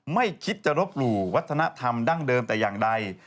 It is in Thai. ไม่คิดจะรบหลู่วัฒนธรรมดั้งเดิมแต่อย่างใด